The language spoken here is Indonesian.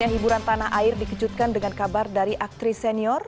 hiburan tanah air dikejutkan dengan kabar dari aktris senior